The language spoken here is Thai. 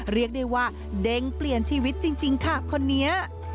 เรียกได้ว่าเด้งเปลี่ยนชีวิตจริงค่ะคนนี้